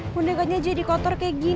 mudah gak jadi kotor kayak gini